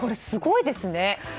すごいですね。